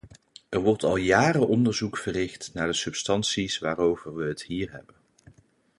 Er wordt al jaren onderzoek verricht naar de substanties waarover we het hier hebben.